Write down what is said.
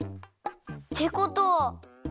ってことは。